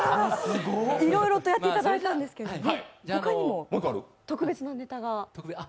いろいろとやっていただいたんですけれども、ほかにも特別なネタが。